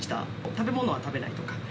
食べ物は食べないとか。